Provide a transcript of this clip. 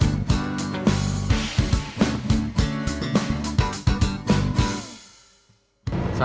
tidak terlalu besar